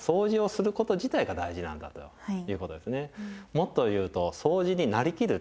もっと言うとそうじになりきる？